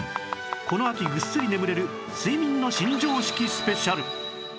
この秋ぐっすり眠れる睡眠の新常識スペシャル